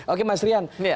oke mas rian